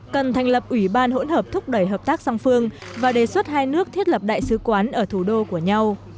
cần thành lập ủy ban hỗn hợp thúc đẩy hợp tác song phương và đề xuất hai nước thiết lập đại sứ quán ở thủ đô của nhau